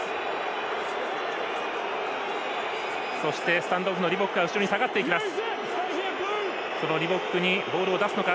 スタンドオフのリボックが後ろに下がっていきます。